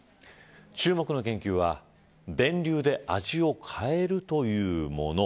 注目の研究は電流で味を変えるというもの。